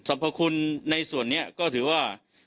พคุณในส่วนนี้ก็ถือว่า